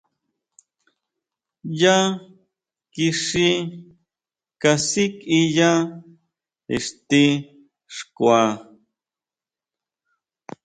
Yá kixí kasikʼiya exti xkua.